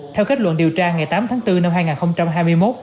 theo kết luận điều tra ngày tám tháng bốn năm hai nghìn hai mươi một